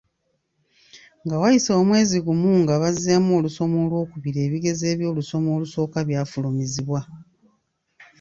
Nga wayise omwezi gumu nga bazzeemu olusoma olw’okubiri ebigezo by’olusoma olusooka byafulumizibwa.